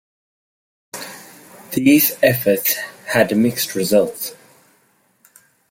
These efforts had mixed results.